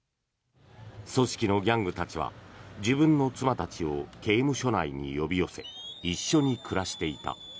組織のギャングたちは自分の妻たちを刑務所内に呼び寄せ一緒に暮らしていた。